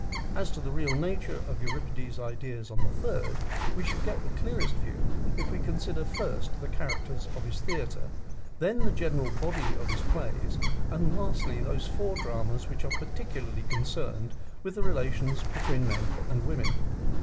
As to the real nature of Euripides' ideas on the third, we shall get the clearest view if we consider first the characters of his theatre, then the general body of his plays, and lastly, those four dramas which are particularly concerned with the relations between men and women.